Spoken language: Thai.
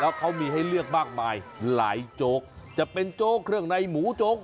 แล้วเขามีให้เลือกมากมายหลายโจ๊กจะเป็นโจ๊กเครื่องในหมูโจ๊ก